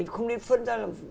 không nên phân ra